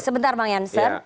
sebentar bang yansen